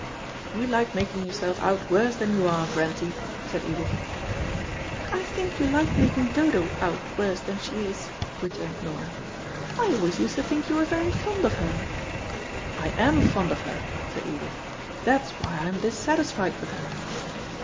"You like making yourself out worse than you are, Grantie," said Edith. "I think you like making Dodo out worse than she is," returned Nora. "I always used to think you were very fond of her." "I am fond of her," said Edith; "that's why I'm dissatisfied with her."